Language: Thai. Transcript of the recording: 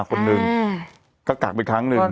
ก็กักตัวอยู่๑ครั้ง